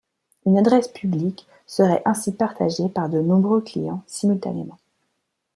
Une adresse publique serait ainsi partagée par de nombreux clients simultanément.